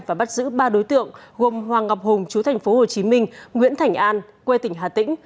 và bắt giữ ba đối tượng gồm hoàng ngọc hùng chú tp hồ chí minh nguyễn thành an quê tỉnh hà tĩnh